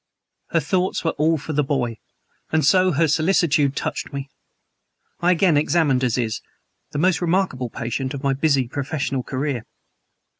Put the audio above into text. Her thoughts were all for the boy; and her solicitude touched me. I again examined Aziz, the most remarkable patient of my busy professional career.